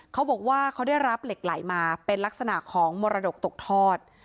เขาบอกว่าเขาได้รับเหล็กไหลมาเป็นลักษณะของมรดกตกทอด